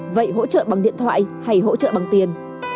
vậy hỗ trợ bằng điện thoại hay hỗ trợ bằng tiền